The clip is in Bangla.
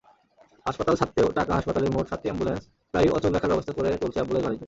হাসপাতাল ছাড়তেও টাকাহাসপাতালের মোট সাতটি অ্যাম্বুলেন্স প্রায়ই অচল রাখার ব্যবস্থা করে চলছে অ্যাম্বুলেন্স-বাণিজ্য।